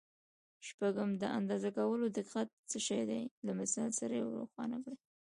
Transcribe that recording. شپږم: د اندازه کولو دقت څه شی دی؟ له مثال سره یې روښانه کړئ.